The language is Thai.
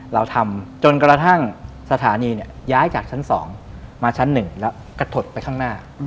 เราทำจนกระทั่งสถานีย้ายจากชั้น๒มาชั้น๑แล้วกระถดไปข้างหน้า